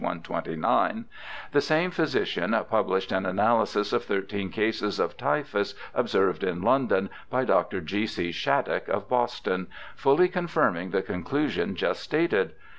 129) the same physician published an analysis of thirteen cases of typhus observed in London by Dr. G. C. Shattuck, of Boston, fully confirming the conclusion just stated.